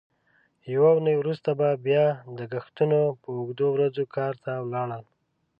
یوه اوونۍ وروسته به بیا د کښتونو په اوږدو ورځو کار ته ولاړل.